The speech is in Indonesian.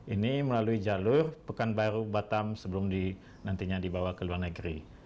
ini melalui jalur pekanbaru batam sebelum nantinya dibawa ke luar negeri